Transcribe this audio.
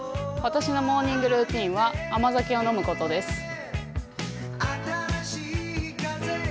私のモーニングルーチンは甘酒を飲むことです。